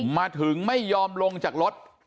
มาถึงไม่ยอมลงจากรถ